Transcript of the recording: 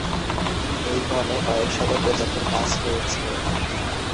এই গণে কয়েকশত প্রজাতির গাছ রয়েছে।